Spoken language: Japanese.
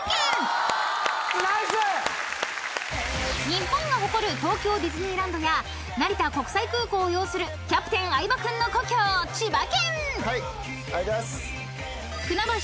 ［日本が誇る東京ディズニーランドや成田国際空港を擁するキャプテン相葉君の故郷千葉県］